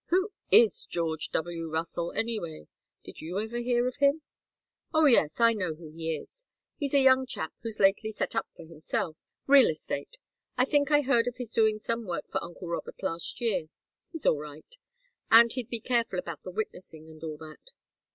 Who is George W. Russell, anyway? Did you ever hear of him?" "Oh, yes I know who he is. He's a young chap who's lately set up for himself real estate. I think I heard of his doing some work for uncle Robert last year. He's all right. And he'd be careful about the witnessing and all that."